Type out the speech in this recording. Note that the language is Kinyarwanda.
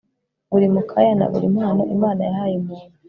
buri mukaya, na buri mpano imana yahaye umuntu